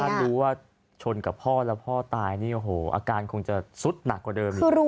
ถ้ารู้ว่าชนกับพ่อแล้วพ่อตายนี่โอ้โหอาการคงจะสุดหนักกว่าเดิมอีก